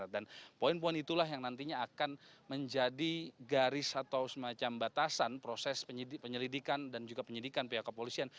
dan poin poin itulah yang nantinya akan menjadi garis atau semacam batasan proses penyelidikan dan juga penyelidikan pihak kepolisian